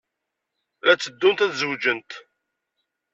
La tteddunt ad zewǧent.